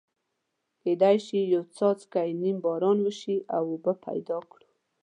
کېدای شي یو څاڅکی نیم باران وشي او اوبه پیدا کړو.